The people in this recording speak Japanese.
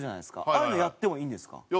ああいうのやってもいいんですか？